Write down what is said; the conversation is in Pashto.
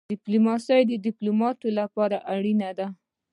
ډيپلوماسي د ډيپلومات لپاره اړینه ده.